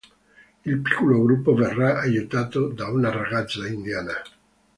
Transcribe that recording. Il piccolo gruppo verrà aiutato da una ragazza indiana.